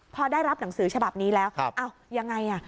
พอได้รับหนังสือฉบับนี้แล้วยังไงอ่ะ